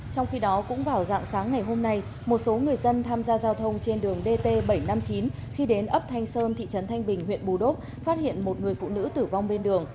trong khi đó cũng vào dạng sáng ngày hôm nay một số người dân tham gia giao thông trên đường dt bảy trăm năm mươi chín khi đến ấp thanh sơn thị trấn thanh bình huyện bù đốp phát hiện một người phụ nữ tử vong bên đường